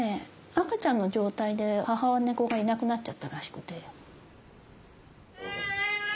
赤ちゃんの状態で母猫がいなくなっちゃったらしくて。